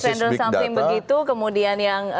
something begitu kemudian yang